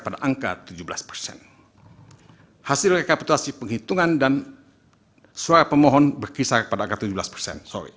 pada angka tujuh belas persen hasil rekapitulasi penghitungan dan suara pemohon berkisar pada angka tujuh belas persen